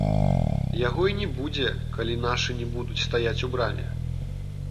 Яго і не будзе, калі нашы не будуць стаяць у браме.